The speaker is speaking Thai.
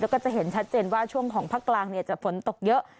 แล้วก็จะเห็นชัดเจนว่าช่วงของภาคกลางจะฝนตกเยอะ